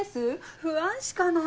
不安しかない。